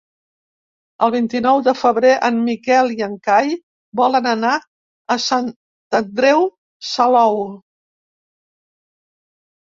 El vint-i-nou de febrer en Miquel i en Cai volen anar a Sant Andreu Salou.